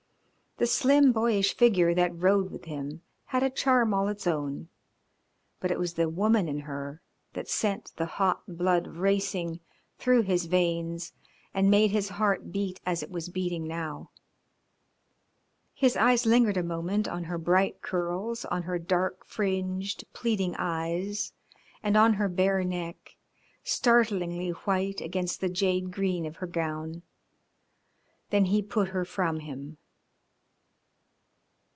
The slim, boyish figure that rode with him had a charm all its own, but it was the woman in her that sent the hot blood racing through his veins and made his heart beat as it was beating now. His eyes lingered a moment on her bright curls, on her dark fringed, pleading eyes and on her bare neck, startlingly white against the jade green of her gown, then he put her from him.